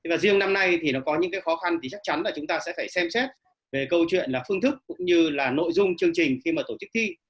và riêng năm nay thì nó có những cái khó khăn thì chắc chắn là chúng ta sẽ phải xem xét về câu chuyện là phương thức cũng như là nội dung chương trình khi mà tổ chức thi